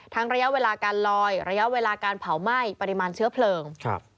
ระยะเวลาการลอยระยะเวลาการเผาไหม้ปริมาณเชื้อเพลิง